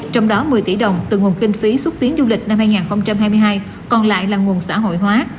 trong đó một mươi tỷ đồng từ nguồn kinh phí xúc tiến du lịch năm hai nghìn hai mươi hai còn lại là nguồn xã hội hóa